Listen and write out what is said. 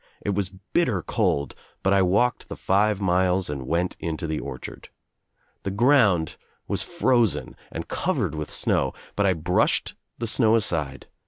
It was bitter cold but I walked the five miles and went into the orchard. The ground was frozen and covered with snow but I brushed the snow aside.